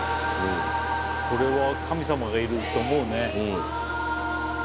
これは神様がいるって思うね。